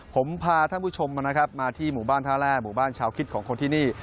ผมพาท่านผู้ชมนะครับมาที่หมู่บ้านท่าแร่หมู่บ้านชาวคิดของคนที่นี่